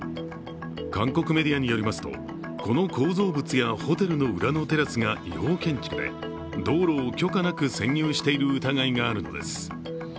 韓国メディアによりますと、この構造物やホテルの裏のテラスが違法建築で道路を許可なく占有している疑いがあるのです。